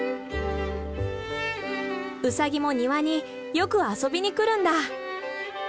ウサギも庭によく遊びに来るんだ。